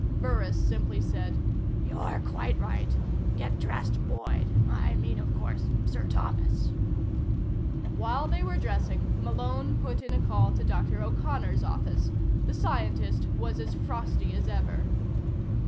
Burris simply said: "You're quite right. Get dressed, Boyd I mean, of course, Sir Thomas." While they were dressing, Malone put in a call to Dr. O'Connor's office. The scientist was as frosty as ever.